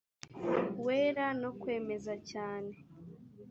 wera no kwemeza cyane